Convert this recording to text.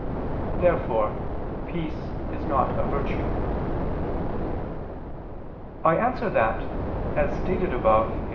Therefore peace is not a virtue. I answer that, As stated above (Q.